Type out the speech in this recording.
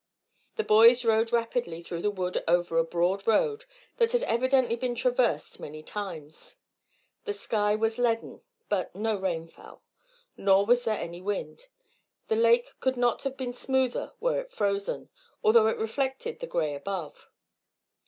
The boys rode rapidly through the wood over a broad road that had evidently been traversed many times. The sky was leaden, but no rain fell. Nor was there any wind. The lake could not have been smoother were it frozen, although it reflected the grey above.